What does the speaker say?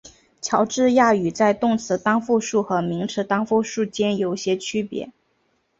乔治亚语在动词单复数和名词单复数间有些区别。